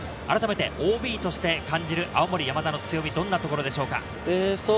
あらためてＯＢとして感じる青森山田の強み、どんなところでしょうか？